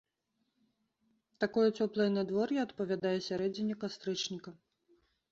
Такое цёплае надвор'е адпавядае сярэдзіне кастрычніка.